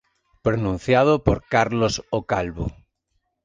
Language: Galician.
Pronunciado por Carlos o Calvo.